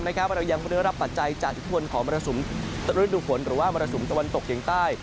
ว่าเรายังพยายามรับปัจจัยจากอิทธิวนของมรสุมตะวันตกอย่างใต้